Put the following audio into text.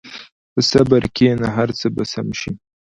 په صبر کښېنه، هر څه به سم شي.